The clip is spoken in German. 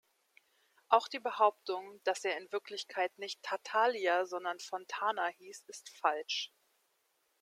Auch die Behauptung, dass er in Wirklichkeit nicht Tartaglia, sondern Fontana hieß, ist falsch.